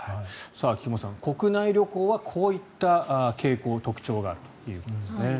菊間さん国内旅行はこういった傾向、特徴があるということですね。